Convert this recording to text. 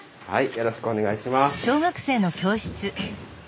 はい！